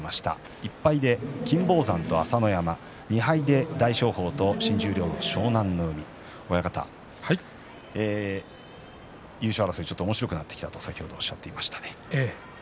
１敗で金峰山と朝乃山２敗で大翔鵬と新十両の湘南乃海優勝争いおもしろくなってきたとおっしゃっていました。